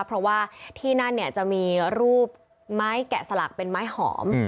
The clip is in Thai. เพราะว่าที่นั่นเนี่ยจะมีรูปไม้แกะสลักเป็นไม้หอม